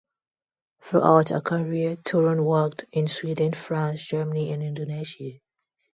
Throughout her career, Torun worked in Sweden, France, Germany and Indonesia.